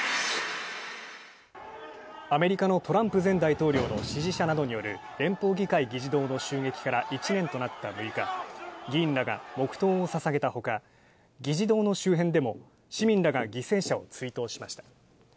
アメリカのトランプ前大統領の支持者などによる連邦議会議事堂の襲撃から１年となった６日、議員らが黙とうをささげたほか、議事堂の周辺でも市民らが犠牲者を追悼しました。